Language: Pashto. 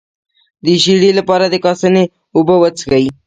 د ژیړي لپاره د کاسني اوبه وڅښئ